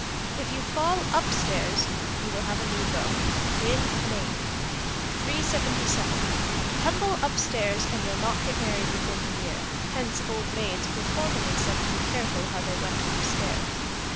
If you fall up stairs, you will have a new beau. Winn, Me. 377. Tumble up stairs and you'll not get married within the year. (Hence old maids were formerly said to be careful how they went up stairs.)